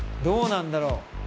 どうなんだろう？